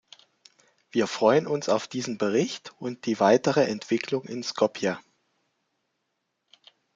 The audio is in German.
Wir freuen uns auf diesen Bericht und auf die weitere Entwicklung in Skopje.